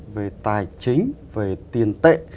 về tài chính về tiền tệ